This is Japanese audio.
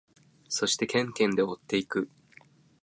そしてケンケンで追っていく。